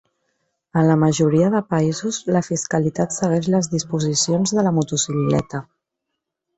A la majoria de països, la fiscalitat segueix les disposicions de la motocicleta.